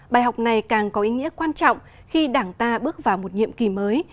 bài học này càng có ý nghĩa quan trọng khi đảng ta bước vào một nhiệm kỳ mới